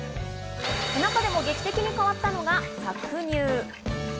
中でも劇的に変わったのが搾乳。